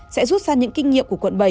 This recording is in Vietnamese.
sẽ rút ra những kinh nghiệm của quận bảy